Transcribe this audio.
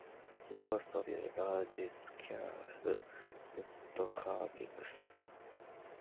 He also did large scale wood carvings.